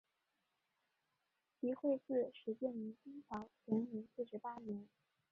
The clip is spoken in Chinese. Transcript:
集惠寺始建于清朝乾隆四十八年。